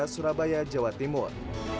surabaya jawa timur